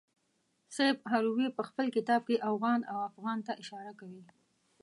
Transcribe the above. سیف هروي په خپل کتاب کې اوغان او افغان ته اشاره کوي.